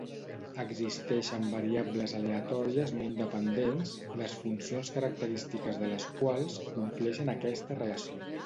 Existeixen variables aleatòries no independents les funcions característiques de les quals compleixen aquesta relació.